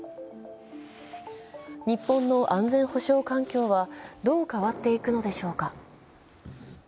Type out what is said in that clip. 日本の安全保障環境は、どう変わっていくのでしょうか。